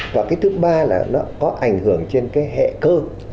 và cái thứ ba là nó có ảnh hưởng trên cái hệ cơ